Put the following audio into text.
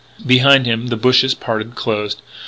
Behind him the bushes parted, closed.